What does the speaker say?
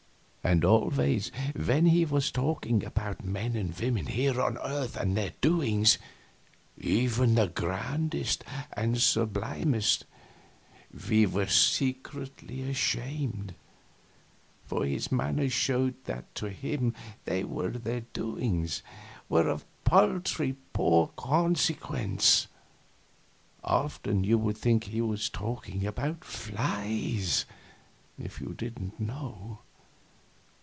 And always when he was talking about men and women here on the earth and their doings even their grandest and sublimest we were secretly ashamed, for his manner showed that to him they and their doings were of paltry poor consequence; often you would think he was talking about flies, if you didn't know.